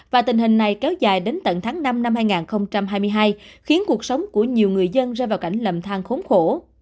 và tình hình này kéo dài đến tận tháng năm năm hai nghìn hai mươi hai khiến cuộc sống của nhiều người dân rơi vào cảnh lầm than khốn khổ